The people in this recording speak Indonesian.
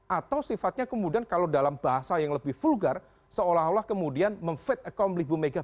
atau sifatnya kemudian kalau dalam bahasa yang lebih vulgar seolah olah kemudian memfeit akompli bumega